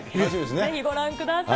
ぜひ、ご覧ください。